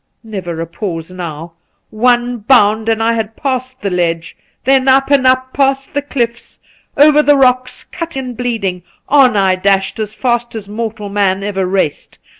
Never a pause now. One bound, and I had passed the ledge ; then up and up, past the cliffs, over the rocks, cut and bleeding, on I dashed as fast as mortal man ever raced.